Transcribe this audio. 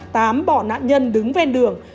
tám bỏ nạn nhân đứng ven đường